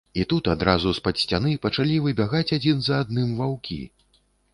І тут адразу з-пад сцяны пачалі выбягаць адзін за адным ваўкі.